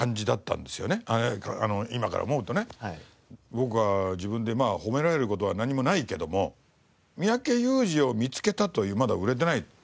僕は自分で褒められる事は何もないけども三宅裕司を見つけたというまだ売れてないですから。